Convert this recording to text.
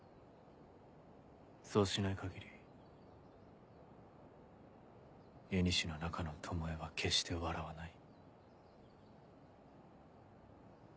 そうしない限り縁の中の巴は決して笑わない。